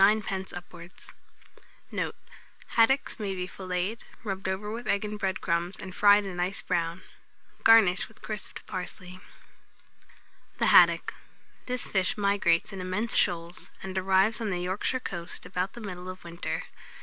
upwards. Note. Haddocks may be filleted, rubbed over with egg and bread crumbs, and fried a nice brown; garnish with crisped parsley. [Illustration: THE HADDOCK.] THE HADDOCK. This fish migrates in immense shoals, and arrives on the Yorkshire coast about the middle of winter.